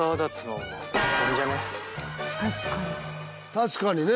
確かにね